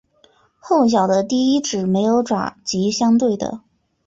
后脚的第一趾没有爪及相对的。